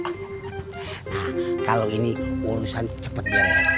nah kalau ini urusan cepat beres